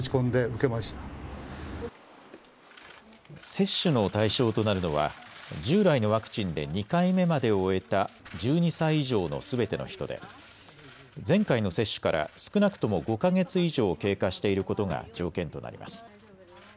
接種の対象となるのは従来のワクチンで２回目までを終えた１２歳以上のすべての人で前回の接種から少なくとも５か月以上経過していることが条件となります。